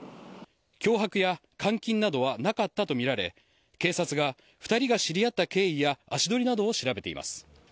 脅迫や監禁などはなかったとみられ警察が２人が知り合った経緯や足取りなどを調べています。